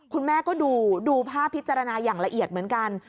คุณแม่ก็ดูภาพพิจารณาอย่างละเอียดเหมือนกัน